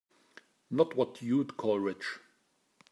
Not what you'd call rich.